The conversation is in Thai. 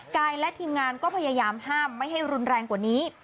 กายและทีมงานก็พยายามห้ามไม่ให้รุนแรงกว่านี้